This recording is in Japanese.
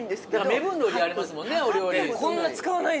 目分量でやりますもんねお料理。